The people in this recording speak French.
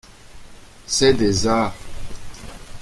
C’est des arrhes !…